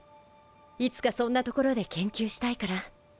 いつかそんな所で研究したいから。